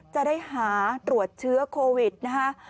จะได้หาตรวจเชื้อโควิดนะคะ